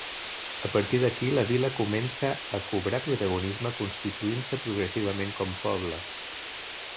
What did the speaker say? A partir d'aquí la vila comença a cobrar protagonisme constituint-se progressivament com poble.